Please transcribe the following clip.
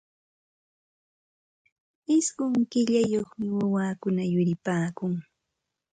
Ishqun killayuqmi wawakuna yuripaakun.